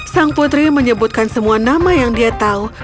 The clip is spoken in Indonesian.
sang putri menyebutkan semua nama yang dia tahu